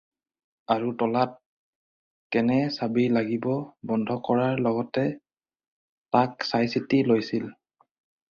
আৰু তলাত কেনে চাবি লাগিব বন্ধ কৰাৰ লগতে তাক চাই-চিতি লৈছিল।